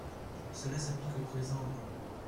Cela s’applique au présent amendement.